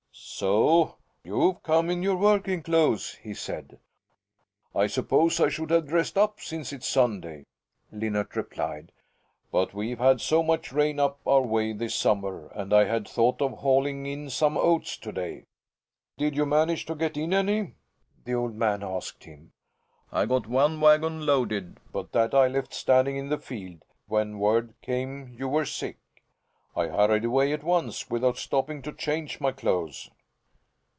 "So you've come in your working clothes," he said. "I suppose I should have dressed up, since it's Sunday," Linnart replied. "But we've had so much rain up our way this summer and I had thought of hauling in some oats to day." "Did you manage to get in any?" the old man asked him. "I got one wagon loaded, but that I left standing in the field when word came that you were sick. I hurried away at once, without stopping to change my clothes."